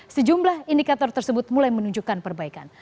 sejumlah indikator tersebut mulai menunjukkan perbaikan